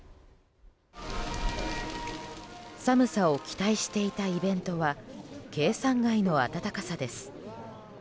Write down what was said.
寒さを期待していたイベントは計算外の暖かさです。